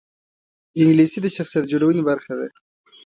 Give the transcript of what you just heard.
انګلیسي د شخصیت جوړونې برخه ده